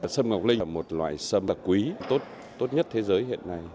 sâm ngọc linh là một loại sâm quý tốt nhất thế giới hiện nay